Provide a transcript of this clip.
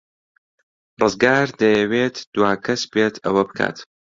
ڕزگار دەیەوێت دوا کەس بێت ئەوە بکات.